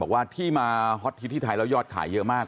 ว่าที่มาฮอตฮิตที่ไทยแล้วยอดขายเยอะมาก